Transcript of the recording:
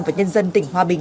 và nhân dân tỉnh hòa bình